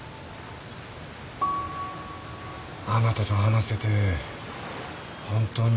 あなたと話せて本当によかった。